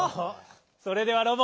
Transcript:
それではロボ。